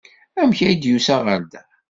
Amek ay d-yusa ɣer da?